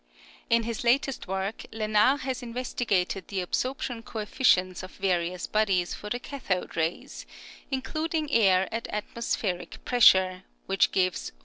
In his latest work Lenard has investi gated the absorption coefficients of various bodies for the cathode rays, including air at atmospheric pressure, which gives 4.